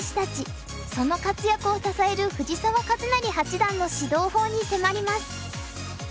その活躍を支える藤澤一就八段の指導法に迫ります。